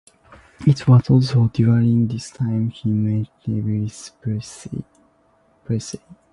It was also during this time he met Elvis Presley.